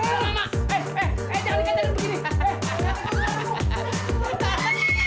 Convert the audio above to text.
eh jangan dikatakan begini